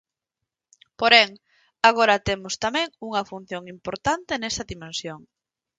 Porén, agora temos tamén unha función importante nesa dimensión.